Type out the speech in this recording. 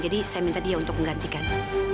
jadi saya minta dia untuk menggantikan